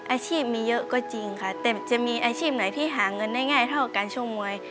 อาชีพมีเยอะก็จริงค่ะแต่จะมีอาชีพไหนที่หาเงินได้ง่ายเท่าการช่วงมวย